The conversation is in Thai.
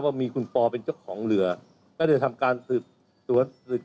ว่ามีคุณปอเป็นเจ้าของเรือก็ได้ทำการสืบสวนสืบ